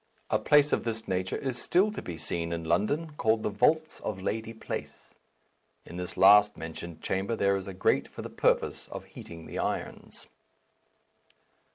A place of this nature is still to be seen in London, called "the Vaults of Lady Place." In this last mentioned chamber there is a grate for the purpose of heating the irons.